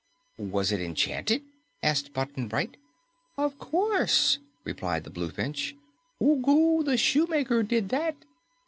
"Was it enchanted?" asked Button Bright. "Of course," replied the Bluefinch. "Ugu the Shoemaker did that."